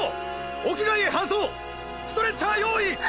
屋外へ搬送ストレッチャー用意！